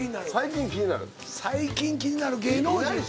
最近気になる芸能人？